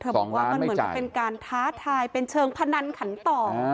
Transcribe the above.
เธอบอกว่ามันเหมือนการท้าทายเป็นเชิงพนันขันต่อ